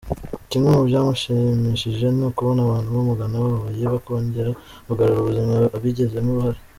Kimwe mu byamushimishije ni ukubona abantu bamugana bababaye bakongera kugarura ubuzima abigizemo uruhare.